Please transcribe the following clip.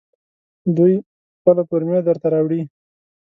دوی خپله فورمې درته راوړي.